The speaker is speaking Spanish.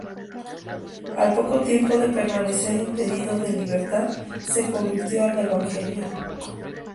Al poco tiempo de permanecer impedido de libertad, se convirtió al evangelio.